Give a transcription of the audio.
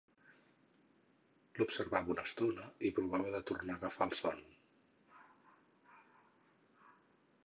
L'observava una estona i provava de tornar a agafar el son.